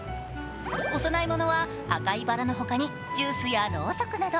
お供え物は赤いバラのほかにジュースやろうそくなど。